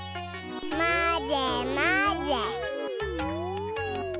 まぜまぜ。